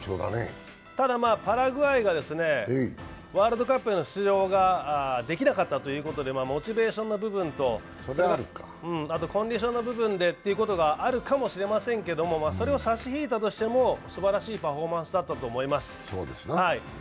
ただ、パラグアイがワールドカップへの出場ができなかったということでモチベーションの部分とコンディションの部分があるかもしれませんけれども、それを差し引いたとしてもすばらしいパフォーマンスだったと思います。